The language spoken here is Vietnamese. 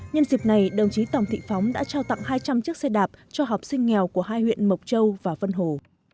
nhân dịp này đồng chí tòng thị phóng đã trao tặng hai trăm linh chiếc xe đạp cho học sinh nghèo của hai huyện mộc châu và vân hồ